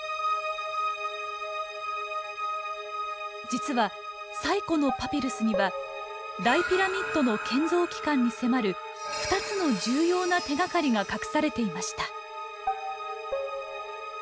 実は最古のパピルスには大ピラミッドの建造期間に迫る２つの重要な手がかりが隠されていました。